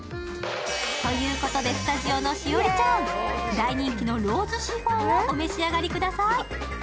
ということで、スタジオの栞里ちゃん、大人気のローズシフォンをお召し上がりください。